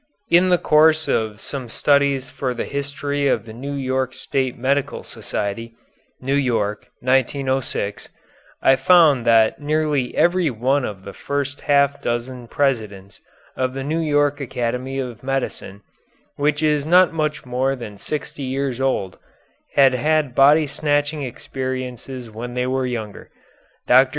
In the course of some studies for the history of the New York State Medical Society (New York, 1906) I found that nearly every one of the first half dozen presidents of the New York Academy of Medicine, which is not much more than sixty years old, had had body snatching experiences when they were younger. Dr.